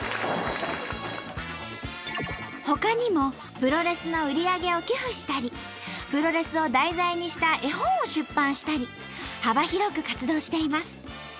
ほかにもプロレスの売り上げを寄付したりプロレスを題材にした絵本を出版したり幅広く活動しています。